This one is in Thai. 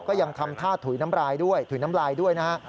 ก็ยังทำถ้าถุยน้ำลายด้วย